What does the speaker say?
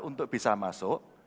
untuk bisa masuk